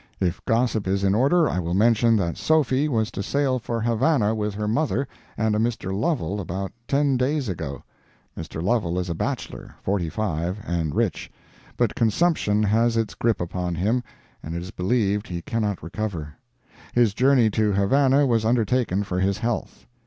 If gossip is in order, I will mention that Sophy was to sail for Havana with her mother and a Mr. Lovell, about 10 days ago. Mr. Lovell is a bachelor, 45 and rich—but consumption has its grip upon him, and it is believed he cannot recover. His journey to Havana was undertaken for his health.